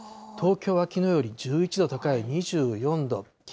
東京はきのうより１１度高い２４度。